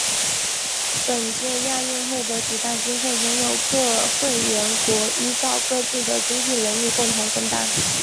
本届亚运会的举办经费仍由各会员国依照各自的经济能力共同分担。